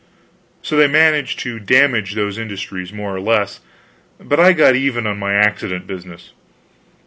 So they managed to damage those industries more or less, but I got even on my accident business.